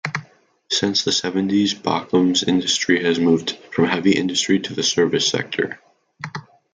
Since the seventies, Bochum's industry has moved from heavy industry to the service sector.